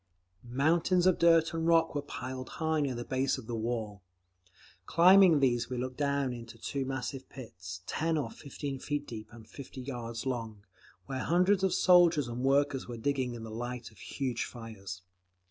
Mountains of dirt and rock were piled high near the base of the wall. Climbing these we looked down into two massive pits, ten or fifteen feet deep and fifty yards long, where hundreds of soldiers and workers were digging in the light of huge fires.